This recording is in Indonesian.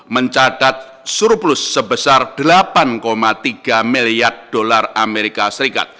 mencatat surplus sebesar rp delapan tiga miliar